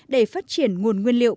để phát triển nguồn nguyên liệu